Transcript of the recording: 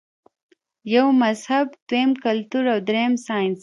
يو مذهب ، دويم کلتور او دريم سائنس -